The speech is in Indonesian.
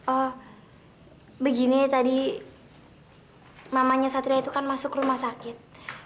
oh begini tadi namanya satria itu kan masuk rumah sakit